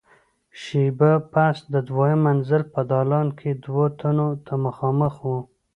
شېبه پس د دويم منزل په دالان کې دوو تنو ته مخامخ وو.